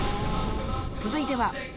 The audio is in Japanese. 続いては。